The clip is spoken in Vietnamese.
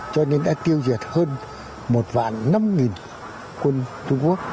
cho nên đã tiêu diệt hơn một vạn năm quân trung quốc